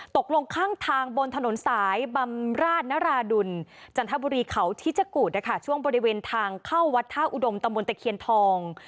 ตกลงข้างทางบนถนนสายบำราชนราดุลจันทบุรีเขาทิชกุฎนะคะช่วงบริเวณทางเข้าวัดท่าอุดมตำบลตะเคียนทอง